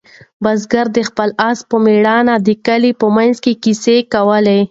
بزګر د خپل آس په مېړانه د کلي په منځ کې کیسې کولې.